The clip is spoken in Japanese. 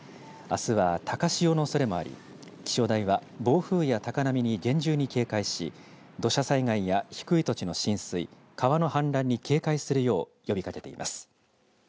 あすは高潮のおそれもあり気象台は暴風や高波に厳重に警戒し土砂災害や低い土地の浸水、川の氾濫に警戒するよう呼びかけています。